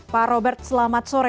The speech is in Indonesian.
pak robert selamat sore